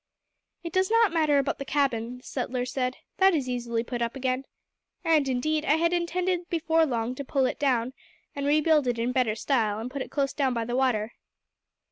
"It does not matter about the cabin," the settler said; "that is easily put up again. And, indeed, I had intended before long to pull it down and rebuild it in better style, and put it close down by the water."